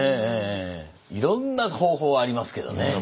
いろんな方法ありますけどね。